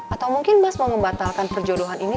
atau mungkin mas mau membatalkan perjodohan ini